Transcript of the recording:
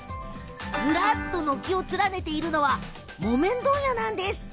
ずらっと軒を連ねているのが木綿問屋なんです。